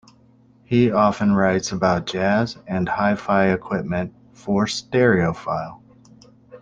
He often writes about jazz and hi-fi equipment for "Stereophile".